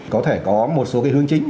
có thể có một số cái hướng chính